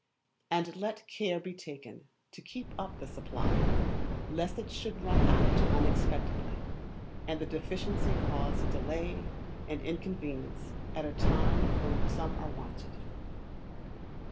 And let care be taken to keep up the supply, lest it should run out unexpectedly, and the deficiency cause delay and inconvenience at a time when some are wanted.